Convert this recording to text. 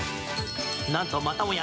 なんとまたもや